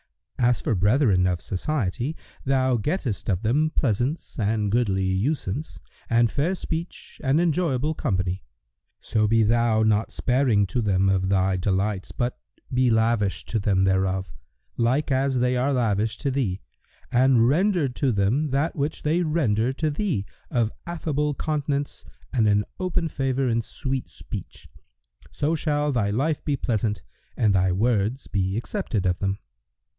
"—As for brethren of society, thou gettest of them pleasance and goodly usance and fair speech and enjoyable company; so be thou not sparing to them of thy delights, but be lavish to them thereof, like as they are lavish to thee, and render to them that which they render to thee of affable countenance and an open favour and sweet speech, so shall thy life be pleasant and thy words be accepted of them."